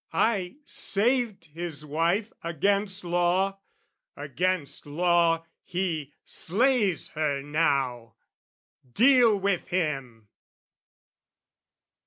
I saved his wife Against law: against law he slays her now: Deal with him!